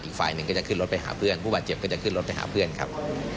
อีกฝ่ายหนึ่งก็จะขึ้นรถไปหาเพื่อนผู้บาดเจ็บก็จะขึ้นรถไปหาเพื่อนครับ